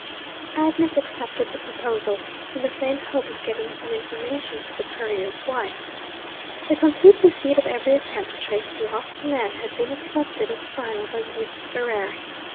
Agnes accepted the proposal, in the faint hope of getting some information for the courier's wife. The complete defeat of every attempt to trace the lost man had been accepted as final by Mrs. Ferrari.